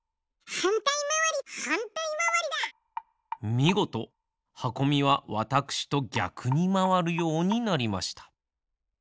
みごとはこみはわたくしとぎゃくにまわるようになりました。